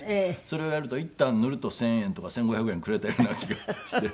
それをやると一反塗ると１０００円とか１５００円くれたような気がして。